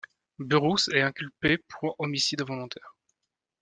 Burroughs est inculpé pour homicide involontaire.